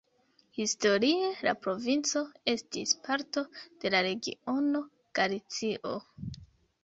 Historie la provinco estis parto de la regiono Galicio.